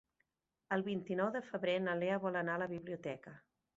El vint-i-nou de febrer na Lea vol anar a la biblioteca.